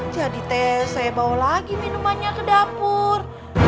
jadi teh saya bawa lagi minumannya ke dapur